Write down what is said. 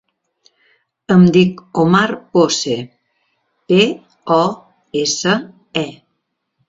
Em dic Omar Pose: pe, o, essa, e.